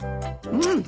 うん。